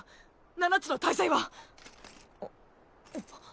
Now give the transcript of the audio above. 七つの大罪は？あっ。